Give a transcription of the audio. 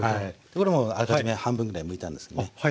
これもうあらかじめ半分でむいてあるんですけどね。